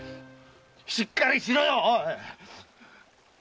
しっかりしろよ！